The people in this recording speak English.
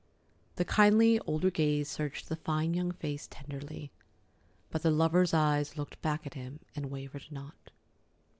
The kindly older gaze searched the fine young face tenderly, but the lover's eyes looked back at him and wavered not.